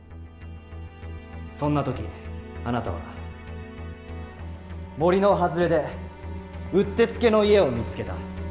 そんな時あなたは森の外れでうってつけの家を見つけた。